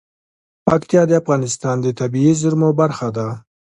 پکتیا د افغانستان د طبیعي زیرمو برخه ده.